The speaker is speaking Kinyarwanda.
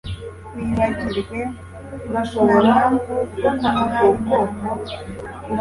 Wibagirwe. Ntampamvu yo kumuha inama.